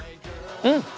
うん！